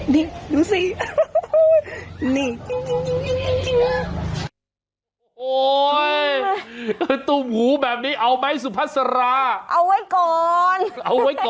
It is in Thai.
นี่ดูสิ